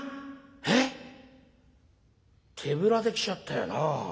えっ？手ぶらで来ちゃったよな。